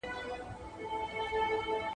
• لېوه هغه مېږه خوري چي د رمې څخه جلا وي.